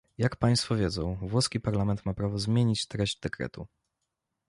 Jak państwo wiedzą, włoski parlament ma prawo zmienić treść dekretu